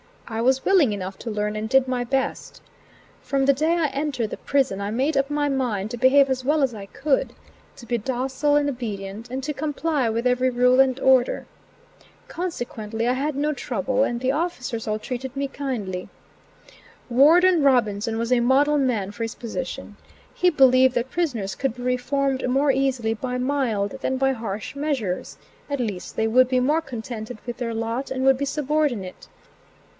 I was willing enough to learn and did my best. From the day I entered the prison I made up my mind to behave as well as I could; to be docile and obedient, and to comply with every rule and order. Consequently I had no trouble, and the officers all treated me kindly. Warden Robinson was a model man for his position. He believed that prisoners could be reformed more easily by mild than by harsh measures at least they would be more contented with their lot and would be subordinate.